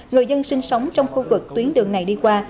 người dân sinh sống trong khu vực tuyến đường này đi qua